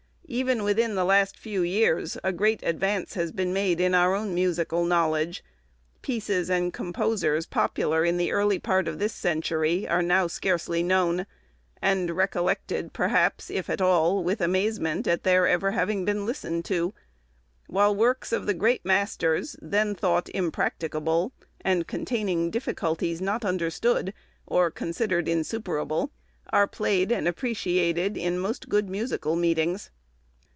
Even within the last few years, a great advance has been made in our own musical knowledge: pieces and composers, popular in the early part of this century, are now scarcely known; and recollected, perhaps (if at all), with amazement at their having ever been listened to; while works of the great masters, then thought impracticable, and containing difficulties not understood, or considered insuperable, are played and appreciated in most good musical meetings.